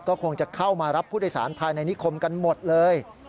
ก็คงจะเข้ามารับผู้โดยสารภายในนิคมกันหมดเลย